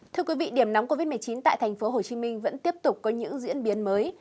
thưa quý vị điểm nóng covid một mươi chín tại tp hcm vẫn tiếp tục có những diễn biến mới